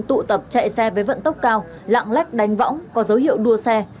tụ tập chạy xe với vận tốc cao lạng lách đánh võng có dấu hiệu đua xe